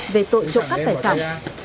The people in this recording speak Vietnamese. về tội trộm cắp tài sản